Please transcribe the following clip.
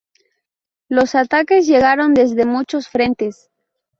Los ataques llegaron desde muchos frentes.